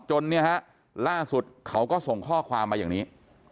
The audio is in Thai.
เนี่ยฮะล่าสุดเขาก็ส่งข้อความมาอย่างนี้